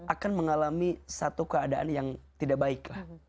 akan mengalami satu keadaan yang tidak baik